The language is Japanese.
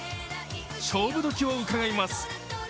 勝負どきをうかがいます。